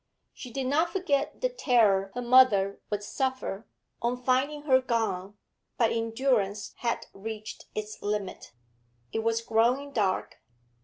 She did not forget the terror her mother would suffer, on finding her gone; but endurance had reached its limit. It was growing dark.